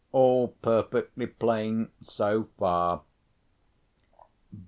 All perfectly plain, so far.